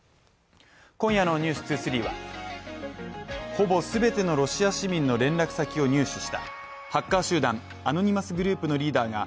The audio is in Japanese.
今夜の「ｎｅｗｓ２３」はほぼ全てのロシア市民の連絡先を入手したハッカー集団アノニマスグループのリーダーが